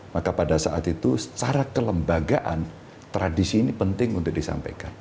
maka pada saat itu secara kelembagaan tradisi ini penting untuk disampaikan